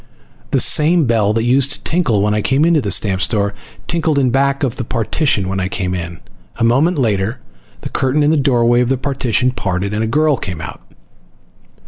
The same bell that used to tinkle when I came into the stamp store tinkled in back of the partition when I came in. A moment later the curtain in the doorway of the partition parted, and a girl came out.